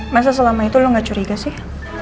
masa selama itu lo gak curiga sih